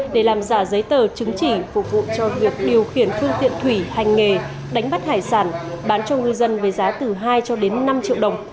để làm giả giấy tờ chứng chỉ phục vụ cho việc điều khiển phương tiện thủy hành nghề đánh bắt hải sản bán cho ngư dân với giá từ hai cho đến năm triệu đồng